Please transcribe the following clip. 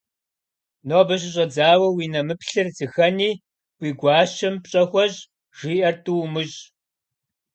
- Нобэ щыщӀэдзауэ уи нэмыплъыр зыхэни, уи гуащэм пщӀэ хуэщӀ, жиӀэр тӀу умыщӀ.